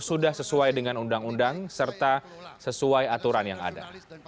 sudah sesuai dengan undang undang serta sesuai aturan yang ada